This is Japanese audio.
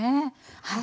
はい。